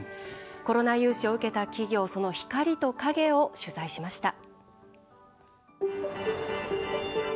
コロナ融資を受けた企業その光と影を取材しました。